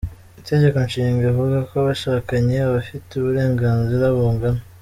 Itegeko Nshinga ivuga ko abashakanye abafite uburenganzira bungana.